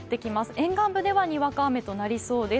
沿岸部では、にわか雨となりそうです。